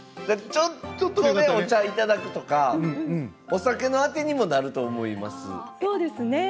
ちょっとお茶いただくとかお酒のあてにもなると思います。